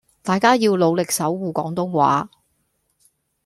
大家要努力守謢廣東話